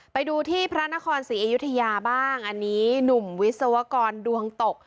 ไปดูที่พระนครศรีอยุธยาบ้างอันนี้หนุ่มวิศวกรดวงตก